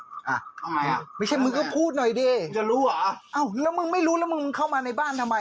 อ่ะทำไมอ่ะไม่ใช่มึงก็พูดหน่อยดิจะรู้เหรอเอ้าแล้วมึงไม่รู้แล้วมึงเข้ามาในบ้านทำไม